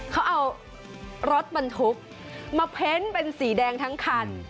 เขาเอารถบรรทุกมาเพ้นเป็นสีแดงทั้งคัน